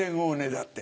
だって。